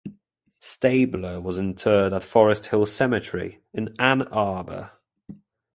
Staebler was interred at Forest Hill Cemetery in Ann Arbor.